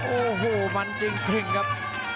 โอ้โหมันจริงครับ